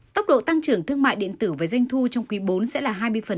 tốc độ tăng trưởng thương mại điện tử với doanh thu trong quý bốn sẽ là hai mươi